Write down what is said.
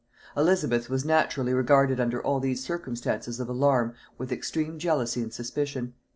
Elizabeth was naturally regarded under all these circumstances of alarm with extreme jealousy and suspicion.